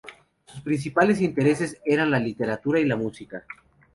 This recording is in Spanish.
Sus principales intereses eran la literatura y la música.